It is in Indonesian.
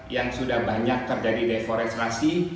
yang sudah banyak terjadi deforestasi